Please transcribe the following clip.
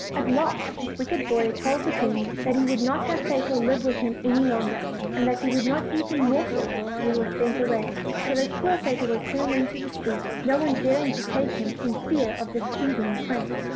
At last this wicked boy told the queen that he would not have Fatal live with him any longer, and that he would not eat a morsel till he was sent away; so that poor Fatal was turned into the street, no one daring to take him in for fear of displeas ing the prince.